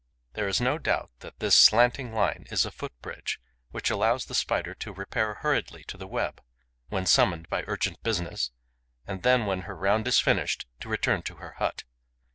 There is no doubt that this slanting line is a foot bridge which allows the Spider to repair hurriedly to the web, when summoned by urgent business, and then, when her round is finished, to return to her hut.